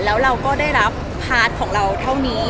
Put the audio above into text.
แล้วเราก็ได้รับพาร์ทของเราเท่านี้